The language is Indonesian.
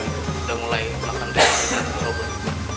sudah mulai melakukan tes robot